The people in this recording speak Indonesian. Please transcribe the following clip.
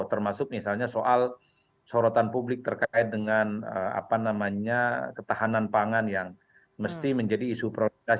termasuk misalnya soal sorotan publik terkait dengan apa namanya ketahanan pangan yang mesti menjadi isu prioritas